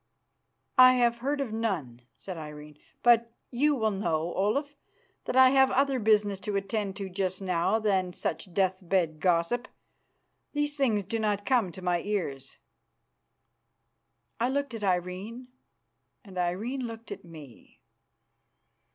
"I have heard of none," said Irene, "but you will know, Olaf, that I have other business to attend to just now than such death bed gossip. These things do not come to my ears." I looked at Irene and Irene looked at me.